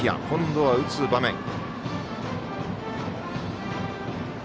今度は打つ場面。